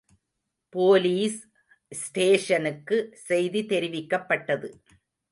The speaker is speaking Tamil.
போலீஸ் ஸ்டேஷனுக்கு செய்தி தெரிவிக்கப்பட்டது.